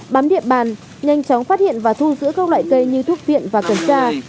bám địa bàn nhanh chóng phát hiện và thu giữ các loại cây như thuốc viện và cẩn tra